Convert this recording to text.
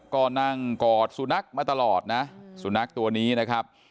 ก็นั่งกอดสุนัขมาตลอดนะสุนัขตัวนี้นะครับ